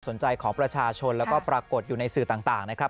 ของประชาชนแล้วก็ปรากฏอยู่ในสื่อต่างนะครับ